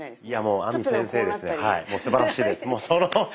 いやもうすばらしいです。